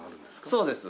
そうです。